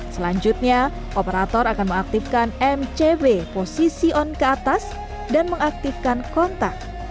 selanjutnya operator akan mengaktifkan mcv dan mengaktifkan kontak